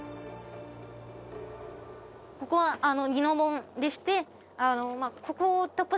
ここは二ノ門でして。